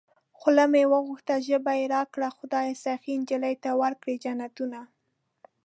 خوله مې غوښته ژبه يې راکړه خدايه سخي نجلۍ ته ورکړې جنتونه